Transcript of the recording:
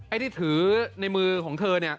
ที่ถือในมือของเธอเนี่ย